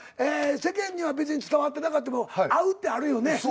世間には別に伝わってなかっても合うってあるよね。